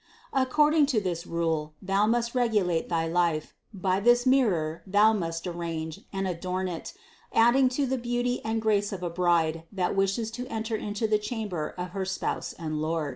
According to this rule thou must regu late thy life, by this mirror thou must arrange and adorn it, adding to the beauty and grace of a bride that wishes to enter into the chamber of her Spouse and Lord."